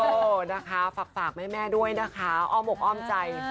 เออนะคะฝากแม่ด้วยนะคะอ้อมอกอ้อมใจ